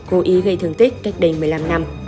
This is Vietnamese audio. cố ý gây thương tích cách đây một mươi năm năm